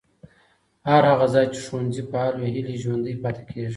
هر هغه ځای چې ښوونځي فعال وي، هیلې ژوندۍ پاتې کېږي.